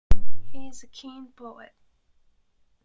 He is a keen poet.